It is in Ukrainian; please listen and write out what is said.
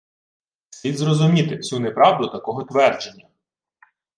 Слід розуміти всю неправду такого твердження